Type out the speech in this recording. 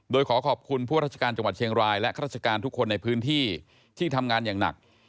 โดยขอขอบคุณผู้ราชการจังหวัดเชียงรายและข้าราชการทุกคนในพื้นที่ที่ทำงานอย่างหนัก